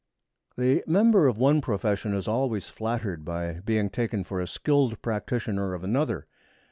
The member of one profession is always flattered by being taken for a skilled practitioner of another.